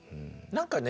何かね